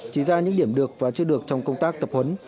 chỉ ra những điểm được và chưa được trong công tác tập huấn